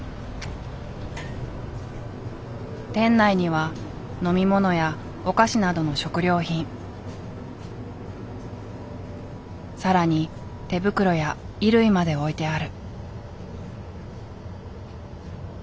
店内には飲み物やお菓子などの食料品更に手袋や衣類まで置いてある。